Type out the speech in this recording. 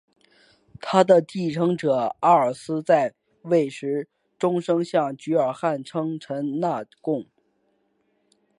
他的继承者阿尔斯兰在位时终生向菊儿汗称臣纳贡。